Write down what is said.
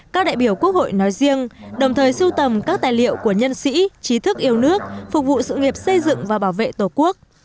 các đại biểu quốc hội nói riêng đồng thời sưu tầm các tài liệu của nhân sĩ trí thức yêu nước phục vụ sự nghiệp xây dựng và bảo vệ tổ quốc